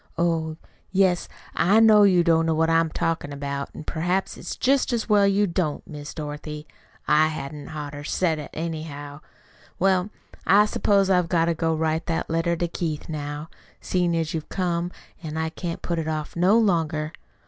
Oh, yes, I know you don't know what I'm talkin' about, an' perhaps it's jest as well you don't, Miss Dorothy. I hadn't oughter said it, anyhow. Well, I s'pose I've got to go write that letter to Keith now. Seein' as how you've come I can't put it off no longer.